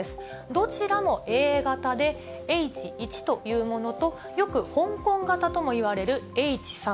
どちらもＡ型で、Ｈ１というものと、よく香港型ともいわれるＨ３。